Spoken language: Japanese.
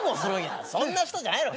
そんな人じゃないの。